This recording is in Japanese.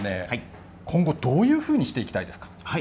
今後どういうふうにしていきたいですか？